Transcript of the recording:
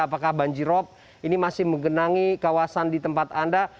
apakah banjirop ini masih menggenangi kawasan di tempat anda